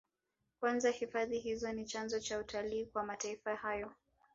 Kwanza hifadhi hizi ni chanzo cha utalii kwa mataifa hayo